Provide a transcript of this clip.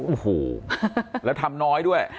โอ้โหแล้วทำน้อยด้วย